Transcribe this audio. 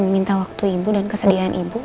meminta waktu ibu dan kesediaan ibu